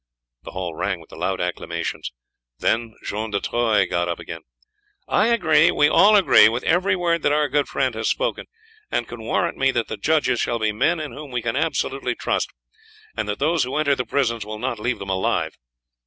The hall rang with the loud acclamations, then John de Troyes got up again. "I agree, we all agree, with every word that our good friend has spoken, and can warrant me that the judges shall be men in whom we can absolutely trust, and that those who enter the prisons will not leave them alive.